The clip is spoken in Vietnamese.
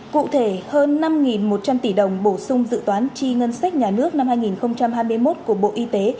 cụ thể hơn năm một trăm linh tỷ đồng bổ sung dự toán chi ngân sách nhà nước năm hai nghìn hai mươi một của bộ y tế